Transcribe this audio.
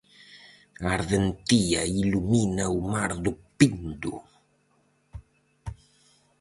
A ardentía ilumina o mar do Pindo.